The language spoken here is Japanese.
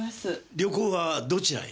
旅行はどちらへ？